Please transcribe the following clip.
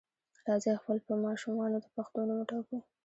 راځئ خپل په ماشومانو د پښتو نوم وټاکو.